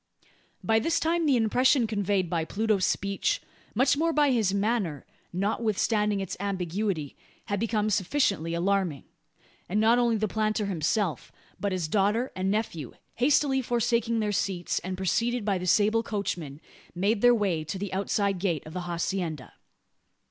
By this time the impression conveyed by Pluto's speech much more by his manner notwithstanding its ambiguity, had become sufficiently alarming; and not only the planter himself, but his daughter and nephew, hastily forsaking their seats, and preceded by the sable coachman, made their way to the outside gate of the hacienda.